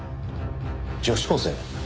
女子高生？